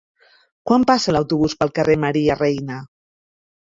Quan passa l'autobús pel carrer Maria Reina?